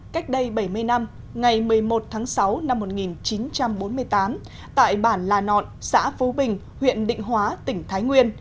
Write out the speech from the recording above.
cách đây bảy mươi năm ngày một mươi một tháng sáu năm một nghìn chín trăm bốn mươi tám tại bản là nọn xã phú bình huyện định hóa tỉnh thái nguyên